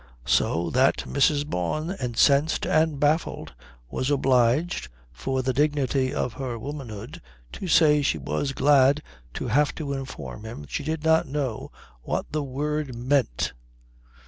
So that Mrs. Bawn, incensed and baffled, was obliged for the dignity of her womanhood to say she was glad to have to inform him she did not know what that word meant.